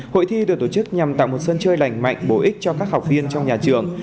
hội thi được tổ chức nhằm tạo một sân chơi lành mạnh bổ ích cho các học viên trong nhà trường